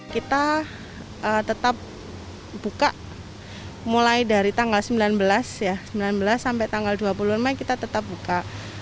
kita tetap buka mulai dari tanggal sembilan belas sampai tanggal dua puluh mai kita tetap buka